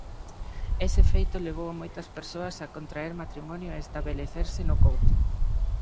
Ese feito levou a moitas persoas a contraer matrimonio e estabelecerse no Couto.